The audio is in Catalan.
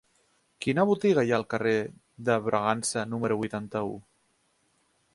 Quina botiga hi ha al carrer de Bragança número vuitanta-u?